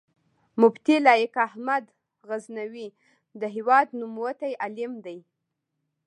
مفتي لائق احمد غزنوي د هېواد نوموتی عالم دی